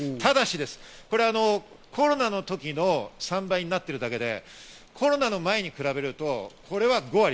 ただし、コロナの時の３倍になってるだけで、コロナの前に比べると、これは５割。